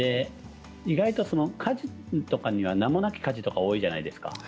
意外と家事は名もなき家事とか多いじゃないですか。